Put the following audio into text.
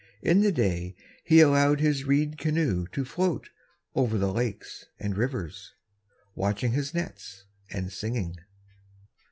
In the day he allowed his reed canoe to float Over the lakes and rivers, Watching his nets and singing.